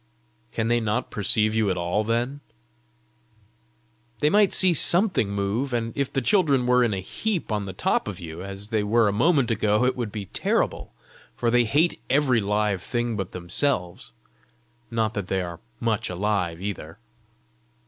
"Can they not perceive you at all then?" "They might see something move; and if the children were in a heap on the top of you, as they were a moment ago, it would be terrible; for they hate every live thing but themselves. Not that they are much alive either!"